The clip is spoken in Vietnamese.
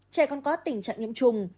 trẻ con có tình trạng nhiễm trùng